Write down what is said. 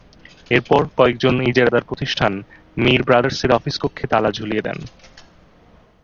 এরপর কয়েকজন ইজারাদার প্রতিষ্ঠান মীর ব্রাদার্সের অফিস কক্ষে তালা ঝুলিয়ে দেন।